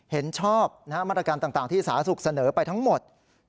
เห็นชอบมาตรการต่างที่สาธารณสุขเสนอไปทั้งหมด